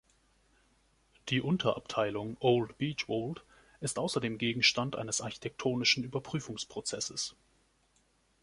Die Unterabteilung Old Beechwold ist außerdem Gegenstand eines architektonischen Überprüfungsprozesses.